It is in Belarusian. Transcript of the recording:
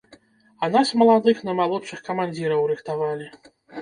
А нас маладых на малодшых камандзіраў рыхтавалі.